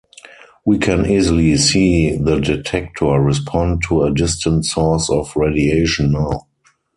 We can easily see the detector respond to a distant source of radiation now.